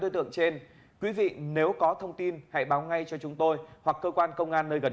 đối tượng trên quý vị nếu có thông tin hãy báo ngay cho chúng tôi hoặc cơ quan công an nơi gần